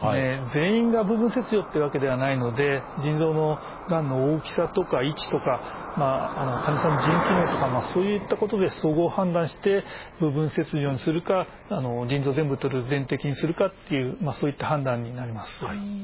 全員が部分切除っていうわけではないので腎臓のがんの大きさとか位置とか患者さんの腎機能とかそういったことで総合判断して部分切除にするか腎臓を全部とる「全摘」にするかというそういった判断になります。